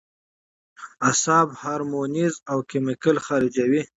اعصاب هارمونز او کېميکلز خارجوي